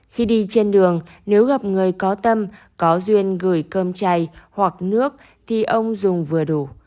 khi đi trên đường nếu gặp người có tâm có duyên gửi cơm chay hoặc nước thì ông dùng vừa đủ